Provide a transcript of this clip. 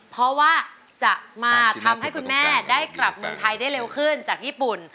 เพราะว่าจะมาทำให้คุณแม่ได้กลับเมืองไทยได้เร็วขึ้นจากญี่ปุ่น